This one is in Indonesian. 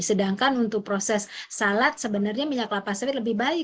sedangkan untuk proses salad sebenarnya minyak kelapa sawit lebih baik